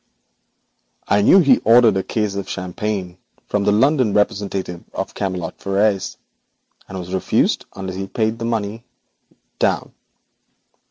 'I knew he ordered a case of champagne from the London representative of Camelot Frères, and was refused unless he paid the money down.'